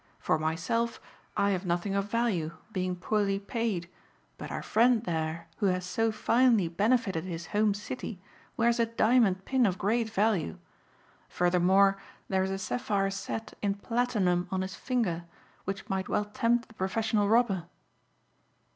For myself I have nothing of value, being poorly paid, but our friend there who has so finely benefitted his home city wears a diamond pin of great value. Furthermore there is a sapphire set in platinum on his finger which might well tempt the professional robber."